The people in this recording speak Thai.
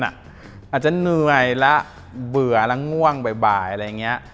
อาจจะเหนื่อยละเบื่อแล้วง่วงบ่ายอะไรอย่างนี้